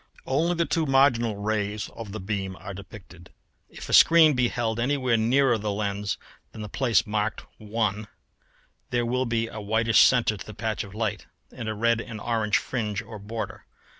Only the two marginal rays of the beam are depicted. If a screen be held anywhere nearer the lens than the place marked 1 there will be a whitish centre to the patch of light and a red and orange fringe or border.